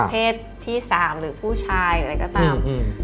เพศที่๓หรือผู้ชายหรืออะไรก็ตาม